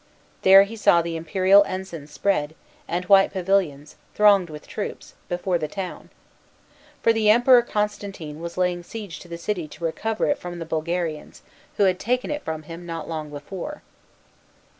There he saw the imperial ensigns spread, and white pavilions, thronged with troops, before the town. For the Emperor Constantine was laying siege to the city to recover it from the Bulgarians, who had taken it from him not long before.